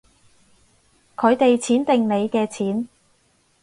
佢哋錢定你嘅錢